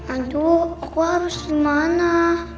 aduh aku harus dimana